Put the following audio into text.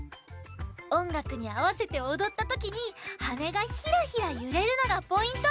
おんがくにあわせておどったときにはねがヒラヒラゆれるのがポイント！